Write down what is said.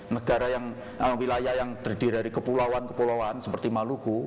negara yang wilayah yang terdiri dari kepulauan kepulauan seperti maluku